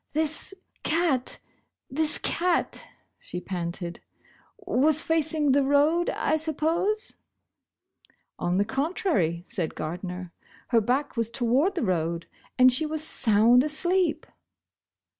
"This cat — this cat," she panted, "was facing the road, I suppose ?" "On the contrary," said Gardner, " her back was toward the road, and she was sound asleep."